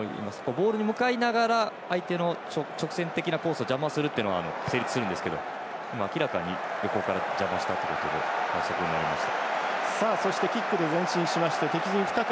ボールに向かいながら相手の直線的なコースを邪魔するっていうのは成立するんですけど明らかに横から邪魔したということで反則になりました。